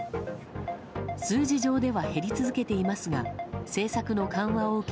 数字上では減り続けていますが政策の緩和を受け